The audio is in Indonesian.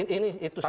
ini itu saja